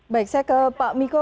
baik saya ke pak miko